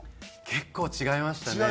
結構違いましたね。